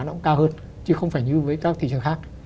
nó cũng cao hơn chứ không phải như với các thị trường khác